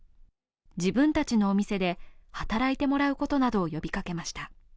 自分たちのお店で働いてもらうことなどを呼びかけました。